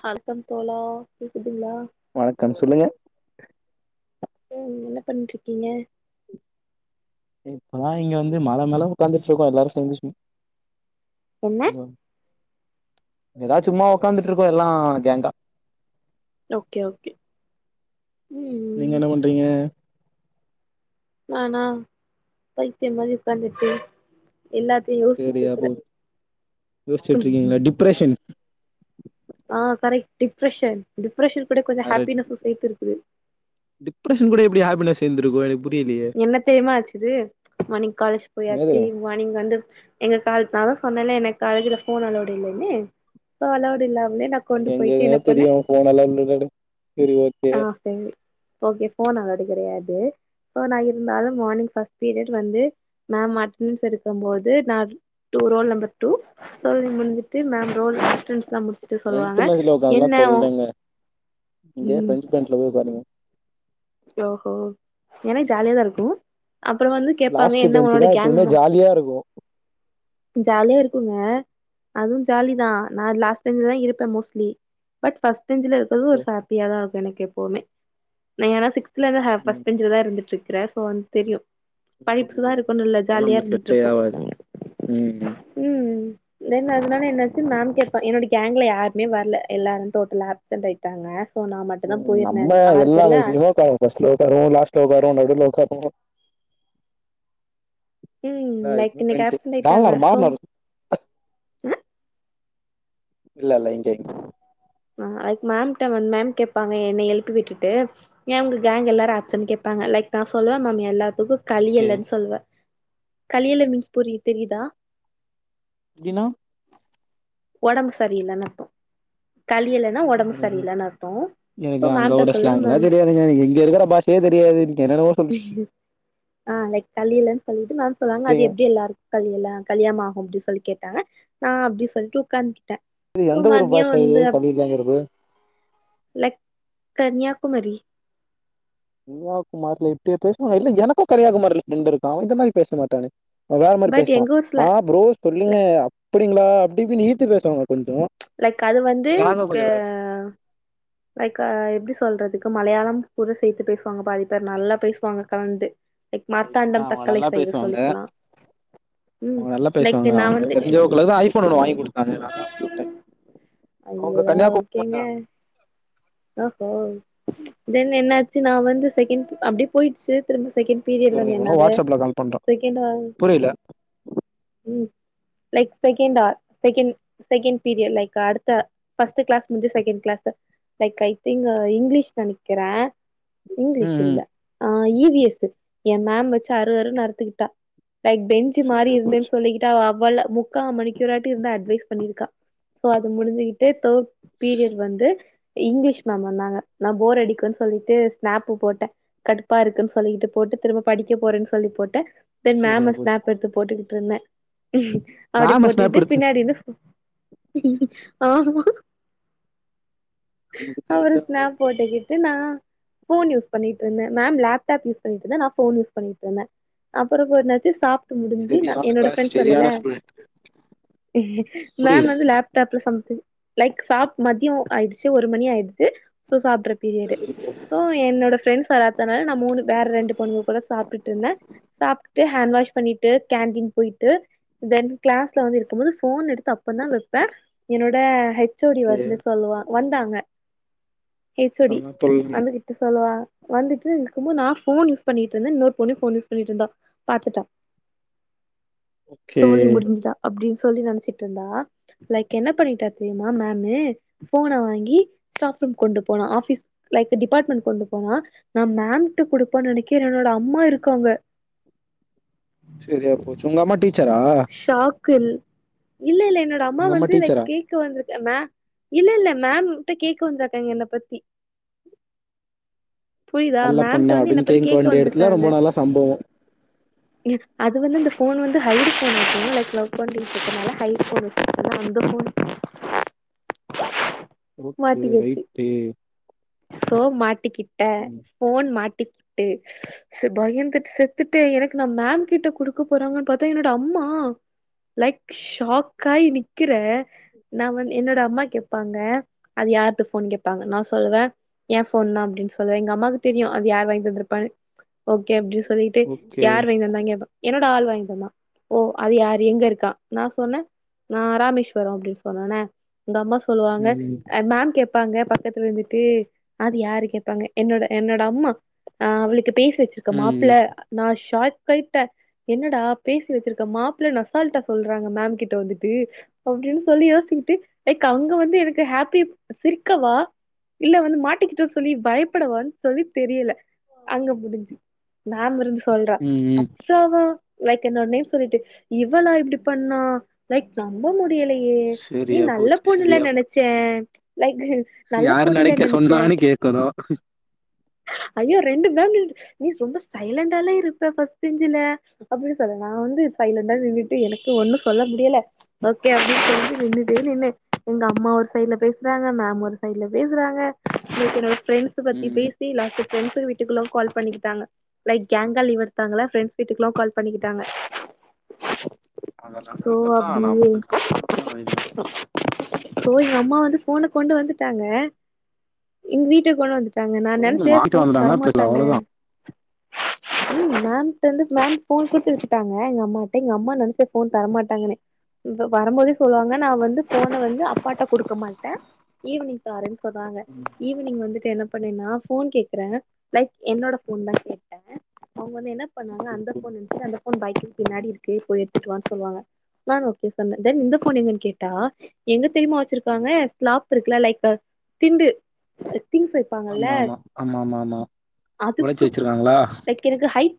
ஹல் தம் தோழா கேக்குதுங்ளா வணக்கம் சொல்லுங்க ம் என்ன பண்ணிட்ருக்கீங்க இப்பதா இங்க வந்து மல மேல உக்காந்துட்ருக்கோ எல்லாரு சேந்து ஸ்வீ என்ன கோ ஏதா சும்மா உக்காந்துட்ருக்கோ எல்லா கேங்கா ஓகே ஓகே நீங்க ம் என்ன பண்றீங்க நானா பைத்தியம் மாதி உக்காந்துட்டு எல்லாத்தயு சரியாபோச்சு யோசிச்சிட்டு இருக்கீங்ளா டிப்ரெஷன் ஆ கரெக்ட் டிப்ரெஷன் டிப்ரஷன் கூட கொஞ்சோ அட ஹேப்பினஸு சேத்து இருக்குது டிப்ரஷன் கூட எப்டி ஹேப்பினஸ் சேந்திருக்கு எனக் என்ன தெரியுமா ஆச்சுது மார்னிங் காலேஜ் என்ன போயாச்சு தெரியு மார்னிங் வந்து எங்க கால் நா தா சொன்னேல எங்க காலேஜ்ல ஃபோன் அளவுட் இல்லன்னு சோ அலவுடு இல்லமலே எனக் எங்கங்க தெரியு ஃபோன்ல்லா உள்ள சேரி ஓகே ஆ சரி ஓகே ஃபோன் அளவ்டு கெடையாது சோ நா இருந்தாலு மார்னிங் ஃபஸ்ட் பீரியட் வந்து மேம் அட்னன்ஸ் எடுக்கும் போது நா two roll number two so இது வந்துட்டு மேம் ரோல் அட்னன்ஸ்லா முடிச்சுட்டு ஃப்ரெண்ட் சொல்லுவாங்க பென்ஜ்ல ஒக்கார்ரதுலா என்ன ஒ தொல்லங்க இங்கே ம் டொண்டி டொண்டில போய் ஒக்காருங்க ஓஹோ ஏன்னா ஜாலியாதா இருக்கு அப்புறோ வந்து கேப்பாங்க லாஸ்ட் என்ன பெஞ்ச் உன்னோட தா கேங் எப்பவுமே ஜாலியா இருக்கு ஜாலியா இருக்குங்க அதுவு ஜாலி தா நா லாஸ்ட் பெஞ்ச் தா இருப்பே மோஸ்ட்லி பட் ஃபஸ்ட் பெஞ்சுல இருக்கிறது ஒரு ஹாப்பியா தா இருக்கு எனக்கு எப்பவுமே நா ஏன்னா சிக்ஸ்லேந்து ம் ஃபஸ்ட் பெஞ்ச்ல தா இருந்துட்டு இருக்குறே சோ வந்து தெரியு படிப்ஸ்தா இருக்கனுனு இல்ல அதெல்லா ஜாலியா நம்மளுக்கு இருந்துட்டு செட்டே இருப்போ ஆவாது ம் ம் தென் அதனால என்னாச்சு மேம் கேப்பா என்னோட கேங்க்ல யாருமே வரல எல்லாரு டோட்டலா ஆப்சென்ட் ஆய்ட்டாங்க உம் நம்ம எல்லா பெஞ்ச்லயு ஒக்காருவோ ஃபர்ஸ்ட்ல ஒக்காருவோ லாஸ்ட்ல ஒக்காருவோ நடுல ஒக்காருவோ ம் லைக் இன்னைக்கு ரிவென்சு ஆப்சென்ட் ஆயிட்டாங்க மாறுனாரு சோ மாறுனாரு இல்ல இல்ல இங்க இங்க அதுக்கு மேம்ட மேம் கேப்பாங்க என்ன எழுப்பி விட்டுட்டு ஏ உங்க கேங் எல்லாரு ஆப்சன்னு கேப்பாங்க லைக் நா சொல்லுவே மேம் எல்லாத்துக்கு ஓகே கலியலன்னு சொல்லுவே களியல மீன்ஸ் புரிய தெரியுதா அப்டினா உடம்பு சரியில்லனுத்து கழிலன்னா உடம்பு எனக்கு சரியில்லனு அத்து எனக்கு அங்கோட ஸ்லாங்லா தெரியாதுங்க எனக்கு இங்க இருக்கிற பாஷையே தெரியாது எனக்கு என்னென்னவோ சொல்லு ஆஹ் லைக் கலியலன்னு சொல்லிட்டு மேம் சொல்லுவாங்க அது சொல்றீங்க எப்டி எல்லாருக்கு கலியல கலியமாகு அப்டின்னு சொல்லி கேட்டாங்க நா அப்டின்னு சொல்ட்டு உக்காந்து சோ மதியோ வந்து இல்லங்கிறது லைக் கன்யாகுமரி கன்னியாகுமாரிலல இப்டியா பேசுவாங்க இல்ல எனக்கு கன்னியாகுமாரில்ல ஃப்ரெண்டு இருக்கா இந்த மாரி பேச மாட்டானே வேற மாரி பட் பேசுவா எங்க ஊர் ஸ்லாங் ஆஹ் ப்ரோ சொல்லுங்க அப்டிங்களா அப்டினு இழுத்து பேசுவாங்க கொஞ்சோ லைக் அது வந்து ஸ்லாங்கு க கொஞ்சோ வேற லைக் அ எப்டி சொல்றதுக்கு மலையாளம் கூட சேத்து பேசுவாங்க பாதி பேர் நல்லா பேசுவாங்க கலந்து லைக் மாதிரி. மார்த்தாண்டம் அவங்க தக்கலை நல்லா சய்ட் பேசுவாங்க சொல்லிக்கலா ம் அவங்க நல்லா லைக் பேசுவாங்க நா அவங்க வந்து தெரிஞ்சவங்க தா ஐஃபோன் ஒன்னு வாங்கி கொடுத்தாங்க நா தா அமுச்சுட்டே ஐயோ ஓகேங்க ஓஹோ தென் என்னாச்சு நா வந்து செகண்ட் அப்டியே போயிடுச்சு திரும்ப செகண்ட் பீரியட் இவனுங்க வந்து எவனோ என்னாது வாட்ஸ்அப்ல கால் பண்றான் செகண்ட் ஆஹ் புரியல ம் like second or second second period like அடுத்த ஃபர்ஸ்ட் கிளாஸ் முஞ்சு second class like I think English நெனைக்கிற இங்கிலீஷ் ம் ம் இல்ல ஆ ஈ வி எஸ் எ மேம் வச்சு அறு அறுனு அறுத்துவகிட்டா லைக் பென் சு மாறி சரியா இருந்தேன் போச்சு சொல்லிக்கிட் டு அவள முக்கா மணிக்கியூராட்டி இருந்து அட்வைஸ் பண்ணிருக்கா சோ அது முடிஞ்சகிட்டு தேட் பீரியட் வந்து இங்கிலீஷ் மேம் வந்தாங்க நான் போர் அடிக்குனு சொல்லிட்டு ஸ்நாப்பு போட்ட கடுப்பா இருக்குன் சொல்லிட்டு போட்டு திரும்ப படிக்க போறன் சொல்லி போட்ட தென் சரியா மேம போச்சு ஸ்நாப் எடுத்து போட்டுகிட்டு இருந்த அப்டி மேம ஸ்னாப் போட்டுட்டு எடுத்து பின்னாடி இருந்து சரி ஆமா நமக்கு அப்றோ தெரிஞ்ச ஸ்னாப் அவ்ளோதான் போட்டுக்கிட்டு நா ஃபோன் யூஸ் பண்ணிட்டு இருந்த மேம் லப்டாப் யூஸ் பண்ணிட்டுந்தா நா ஃபோன் யூஸ் பண்ணிட்டு இருந்த அப்புற கொஞ்சனாச்சு சாப் டு முடிஞ்சு ந சரியான என்னோட கிளாஸ் ஃப்ரெண்ட்ஸ் சொல்லல சரியான ஸ்டூடண்ட் மேம் புரியல வந்து லேப் டேப்ல சம்திங் லைக் சாப் மதிய ஆயிடுச்சு ஒரு மணி ஆயிடுச்சு சோ சாப்ற பீரியடு சோ என்னோட ஃப்ரெண்ட்ஸ் வராதனால நா மூணு வேற ரெண்டு பொண்ணுங்க கூட சாப்ட்டுட்டு இருந்த சாப்ட்டு ஹேண்ட் வாஷ் பண்ணிட்டு கேண்டீன் போயிட்டு தென் கிளாஸ்ல வந்து இருக்கும் போது ஃபோன் எடுத்து அப்ப தா வைப்பே என்னோட ஹெச் ச்சோடி ஓகே வந்து சொல்லுவா வந்தாங்க ஹெச்சோடி அதெல்லாம் சொல்லுங்க வந்து ட்டு சொல்லுவா வந்துட்டு இருக்கும்போ நா ஃபோன் யூஸ் பண்ணிட்ருந்தே இன்னொரு பொண்ணு ஃபோன் யூஸ் பண்ணிட்டு இருந்தா பாத்துட்டா ஓகே சோழி முடிஞ்சுதா அப்படின் சொல்லி நெனச்சிட்டு இருந்தா லைக் என்ன பண்ணிட்டா தெரியுமா மேமு ஃபோன வாங்கி ஸ்டாஃப் ரூம் கொண்டு போனா ஆஃபீஸ் லைக் டிபார்ட்மெண்ட் கொண்டு போவா நா மேம்ட்ட கொடுப்பா நெனைக்க என்னோட அம்மா இருக்காங்க சரியா போச்சு உங்க அம்மா டீச்சரா ஷாக்கு இல் இல்ல இல்ல என்னோட அம்மா உங்க வந்து இத டீச்சரா கெக் க வந்திருக்க மே இல்ல இல்ல மேம்ட்ட கேக்க வந்திருக்காங்க என்ன பத்தி புரியுதா நல்ல பொண்ணா மேம்ட்ட வந்து என்ன அப்டின்னு பத்தி கேக்க வேண்டிய எடத்துல வந்திருக்காங்க ரொம்ப நல்ல சம்பவம் அது வந்து இந்த ஃபோன் வந்து [unintelligible] அது அந்த ஃபோன் ஓகே மாட்டிகிச்சு ரைட்டு சோ மாட்டிக்கிட்ட ம் ஃபோன் மாட்டிக்கிட்டு ச பயந்துட்டு செத்துட்டெ எனக்கு நா மேம் கிட்ட குடுக்க போறாங்கன் பாத்தா என்னோட அம்மா லைக் ஷாக் ஆயி நிக்கிற நா வந் என்னோட அம்மா கேப்பாங்க அது யார்து ஃபோன் கேப்பாங்க நா சொல்லுவ ஏ ஃபோன் தா அப்டின் சொல்லுவ எங்க அம்மாக்கு தெரியு அது யார் வாங்கி தந்துருப்பானு ஓகே அப்டி சொல்லிட்டு ஓகே யார் வாங் தந்தா னு கேப்பா என்னோட ஆள் வாங்கி தந்தா ஓ அது யாரு எங்க இருக்கா நா சொன்ன நா ராமேஸ்வர அப்டி சொன்னோன எங்க அம்மா சொல்லுவாங்க ம் ம் மேம் கேப்பாங்க பக்கத்துல இருந்துட்டு அது யாரு கேப்பாங்க என்னோட என்னோட அம்மா ஆ அவளுக்கு பேசி வச்சிருக்க மாப்ள ம் நான் ஷாக் ஆய்ட என்னடா பேசி வச்சிருக்க மாப்ளனு அசால்டா சொல்றாங்க மேம் கிட்ட வந்துட்டு அப்டினு சொல்லி யோசிச்சிகிட்டு லைக் அவங்க வந்து எனக்கு ஹாப்பி சிரிக்கவா இல்ல வந்து மாட்டிக்கிட்ட சொல்லி பயப் ப்புடவா சொல்லி தெரியல அங்க முடிஞ்சு மேம் இருந்து சொல்றா ம் ம் அஃப்ராவா லைக் என்னோட நேம் சொல்லிட்டு இவளா இப்டி பண்ணா லைக் நம்ப முடியலை யே நீ சரியா நல்ல போச்சு பொண்ணுல்ல சரியா போச்சு நெனச்சே லைக் நல்ல யாரு பொண்ணுல நடிக்க நெனச்சே சொன்னானனு கேக்கனு ஐயோ ரெண்டு மேம் நின் நீ ரொம்ப சைலண்டால இருப்ப ஃபஸ்ட் பெஞ்சுல அப்புடி சொல்ல நா வந்து சைலண்டா நின்னுட்டு எனக்கு ஒண்ணு சொல்ல முடியல ஓகே அப்டின் சொல்லிட்டு நின்னுட்டே நின்ன எங்க அம்மா ஒரு சைட்ல பேசுறாங்க மேம் ஒரு சைட்ல பேசுறாங்க என்னோட ஃப்ரெண்ட்ஸ் பத்தி ம் பேசி லாஸ்ட் ஃப்ரெண்ட்ஸு வீட்டுக்குளா கால் பண்ணி கேட்டாங்க லைக் கேங்கா லீவ் எடுத்தாங்கள ஃப்ரண்ட்ஸ் வீட்டுக்குலா கால் பண்ணிக் கேட்டாங்க [unintelligible] சோ எங் அம்மா வந்து ஃபோனை கொண்டு வந்துட்டாங்க எங் வீட்டுக் கொண்டு வந்து டாங்க நா நெனைச்சே வாங்கிட்டு ஃபோன் வந்துட்டாங்க தெர்ல தரமாட்டாங்க அவ்ளோதா ம் மேம்ட்ட வந்து மேம் ஃபோன் குடுத்து விட்டுட்டாங்க எங்க அம்மாட்ட எங்க அம்மா நெனச்சே ஃபோன் தரமாட்டாங்கனு வ வரும்போதே சொல்லுவாங்க நா வந்து ஃபோன வந்து அப்பாட்ட குடுக்க மாட்டே ஈவினிங் தாரென்னு சொன்னாங்க ஈவினிங் வந்துட் என்ன பண்ணன்னா ஃபோன் கேக்குறே லைக் என்னோட ஃபோன் தா கேட்டே அவுங்க வந்து என்னப் பண்ணாங்க அந்த போன் வந்துச்சு அந்த போன் பைக்குக்கு பின்னாடி இருக்கு போய் எத்துட்டுவான் சொல்லுவாங்க நான் ஓகே சொன்னே தென் இந்த போன் எங்கன்னு கேட்டா எங்க தெரிமா வச் ச்சிருக்காங்க ஸ்லாப் இருக்குல லைக்க திண்டு திங்ஸு ஆமா ஆமா ஆமா ஆமா ஆமா ஒலச்சி அதுக்கு வெச்சிருக்காங்களா எனக்கு ஹைய்ட்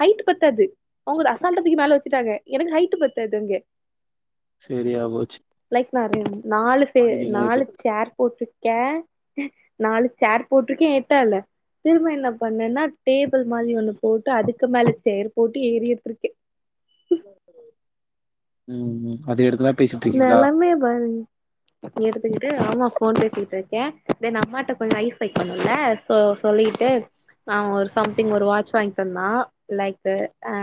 ஹைட்டு பத்தாது அவுங்க அத அசால்ட்டா துக்கி மேல வெச்சுட்டாங்க எனக்கு ஹைட்டு பத்தாது அங்கெ செரியாபோச்சு லைக் நானு நாலு ஃபே ரைட்டு நாலு ச்சேர் போட்ருக்கே நாலு சேர் போட்டிருக்கே எட்டால திரும்ப என்ன பண்ணன்னா டேபுள் மாரி ஒண்ணு போட்டு அதுக்கு மேல ச்சேர் போட்டு ஏரி எத்துருக்கே ம் ம் அது எடுத்துதா பேசிட்டு இருக்கீங்களா நெலமைய பாரு எடுத்துகிட்டு ஆமா போன் பேசிட்ருக்கே தென் அம்மாட்ட கொஞ்சோ ஐஸ் வெக்கணுல சோ சொல்லிட்டு நா ஒரு சம்திங் ஒரு வாட்ச் வாய்ந்தந்தா லைக்கு அ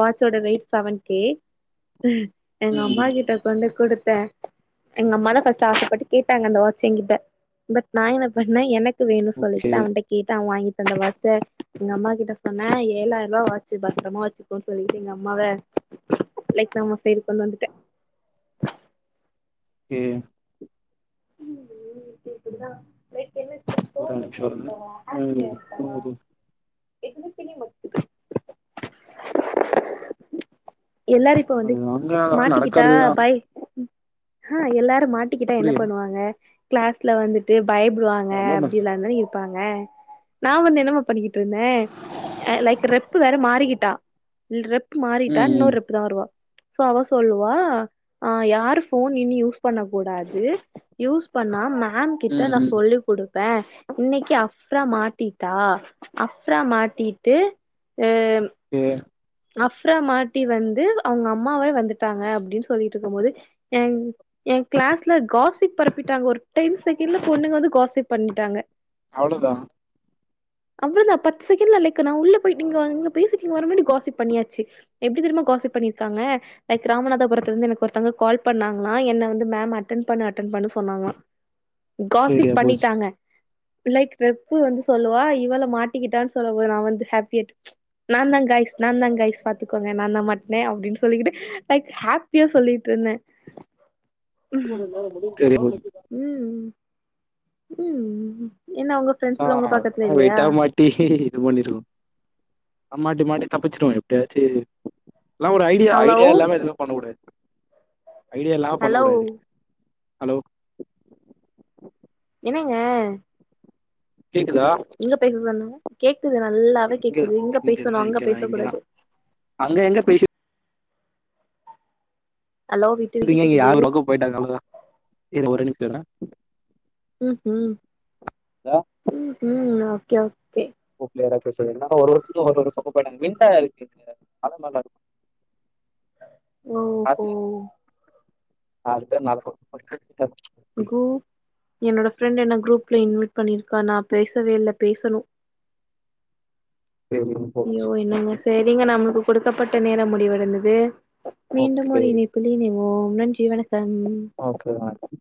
வாட்ச்சோட ரேட் செவன் கே எங்க ம் அம்மா கிட்ட கொண்டு குடுத்த எங்கம்மா தா ஃபர்ஸ்ட் ஆசப்பட்டு கேட்டாங்க அந்த வாட்ச எங்கிட்ட பட் நா என்ன பண்ண எனக் வேணு ஓகே சொல்லிக்கிட்டு அவன்ட கேட்ட அவன் வாய்ங்கி தந்த வாட்ச எங்க அம்மா கிட்ட சொன்ன ஏழாயிரூபா வாச்சு பத்ரமா வெச்சுக் கோ சொல்லிட்டு எங்க அம்மாவ லைக் [unintelligible] செரி கொண்டு வந்துட்ட கே இனிமே இப்டி இப்பிடிதா [unintelligible] [unintelligible] எல்லாரு இப்ப வந்து அது அங்க மாட்டிக்கிட்டா நடக்கறதுதா பாய் ஹா எல்லாரு மாட்டிக்கிட்டா என்ன புரியல பண்ணுவாங்க க்ளாஸ் ல வந்துட்டு பயப்புடுவாங்க அதான் அப்டி எல்லாதா இருப் ப்பாங்க நா வந்து என்னமா பண்ணிக்கிட்டு ருந்த லைக் ரெப்பு வேற மாறிக்கிட்டா ரெப் மாறிட்டா ம் இன்னொ ம் ரெப் தா வருவா சோ அவ சொல்லுவா ஆ யாரு போன் இனி யூஸ் பண்ண கூடாது யூஸ் பண்ணா மேம் கிட்ட ம் நா ம் சொல்லிகுடுப் ப இன்னக்கி அஃப்ரா மாட்டிட்டா அஃப்ரா மாட்டிட்டு எ ம் எது அஃப்ரா மாட்டி வந்து அவுங்க அம்மாவே வந்துட்டாங்க அப்படின் சொல்லிட்ருக்கு போது என் ஏ கிளாஸ்ல காசிப் பரப்பிட்டாங்க ஒரு டென் செகண்ட்ல பொண்ணுங்க வந்து காசிப் பண்ணிட்டாங்க அவ்ளதா அவ்ளதா பத்து செகண்ட்ல லைக் நா உள்ள போய்ட்டு இங்க வந்து பேசிட் [unintelligible] காசிப் பண்ணியாச்சி எப்டி தெரிம்மா காசிப் பண்ணிருக்காங்க லைக் ராமநாதபுரத்துலருந்து எனக்கு ஒருத்தங்க கால் பண்ணாங்களா என்ன வந்து மேம் அட்டன் பண்ணு அட்டன் பண்ணு சொன்னாங்களா சரியா காசிப் போச்சு பண்ணிட்டாங்க லைக் ரெப்பு வந்து சொல்லுவா இவள மாட்டிக்கிட்டா சொல்ல போது நா வந்து ஹாப்பியட் நாந்தா காய்ஸ் நாந்தா காய்ஸ் பாத்துக்கோங்க நாந்தா மாட்ன அப்டின் சொல்லிகேகிட்டு லைக் ஹாப்பியா சொல்லிட்டுருந்த தெரி போ ம் ம் ம் ம் என்ன உங்க ஆ ஃப்ரெண்ட்ஸ்லா உங்க பக்கத்துல அதெல்லா இல்லயா வெயிட்டா மாட்டி இது பண்ணிருவோ அமாட்டி மாட்டி தப்பிச்சிருவோ எப்டியாச்சு லா ஒரு ஐடியா ஹலோ ஐடியா இல்லாம எதுமே பண்ணக் கூடாது ஐடியாலா பண்ணக் ஹலோ கூடாது ஹலோ என்னங்க கேக்குதா எங்க பேச சொன்னாங்க கேக்குது நல்லாவே கேக்குது இங்க இங்கதா பேசணு அங்க இங்கதா பேச இங்கதா கூடாது அங்க எங்க பேசிட் ஹலோ விட் [unintelligible] இங்க யார் பக்கோ போயிட்டாங்க அவ்ளோ தா இருங்க ஒரே நிம்ஷோ இருங்க ம் ம் ஹலோ ம் ம் ஓகே ஓக் [inaudible] கலர் நல்லாயிருக்கு ஓஹோ நாலுபேரு [inaudible] கு என்னோட ஃப்ரெண்ட் என்ன குரூப்ல இன்வைட் பண்ணிருக்கா நா பேசவே இல்ல பேசணு சரி ஐயோ போச்சு. என்னங்க சே ஏங்க நம்மளுக்கு குடுக்கப்பட்ட நேரம் முடிவடைந்தது மீண்டும் ஓகே ஒரு இனை ப்பில் இணைவோம் நன்றி வணக்கம் ஓகே [inaudible]